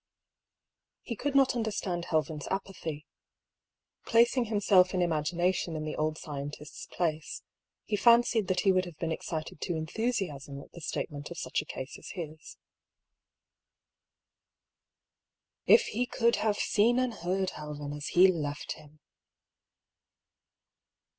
He could not understand Helven's apathy. Placing himself in imagination in the old scientist's place, he fancied that he would have been excited to enthusiasm at the statement of a case such as his. If he could have seen and heard Helven as he left him!